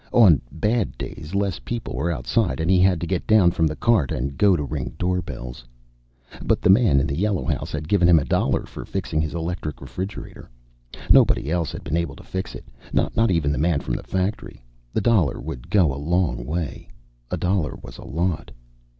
On bad days less people were outside and he had to get down from the cart and go to ring doorbells. But the man in the yellow house had given him a dollar for fixing his electric refrigerator. Nobody else had been able to fix it, not even the factory man. The dollar would go a long way. A dollar was a lot.